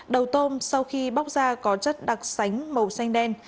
đầu tôm sau khi bóc ra có chất đặc sánh màu xanh đen